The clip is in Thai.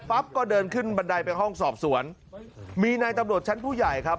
ก็เดินขึ้นบันไดไปห้องสอบสวนมีนายตำรวจชั้นผู้ใหญ่ครับ